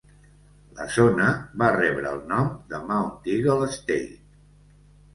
La zona va rebre el nom de Mount Eagle Estate.